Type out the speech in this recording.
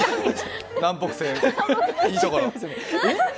南北線、いいところ。